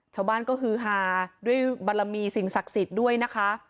ชาวบ้านก็ฮือฮาด้วยบารมีสิ่งศักดิ์สิทธิ์ด้วยนะคะ